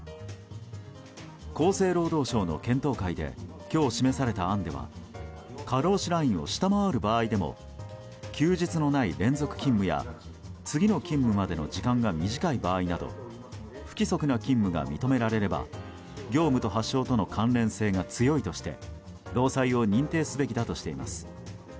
厚生労働省の検討会で今日示された案では過労死ラインを下回る場合でも休日のない連続勤務や次の勤務までの時間が短い場合など不規則な勤務が認められれば業務と発症との関連性が強いとして労災を認定すべきだとしています。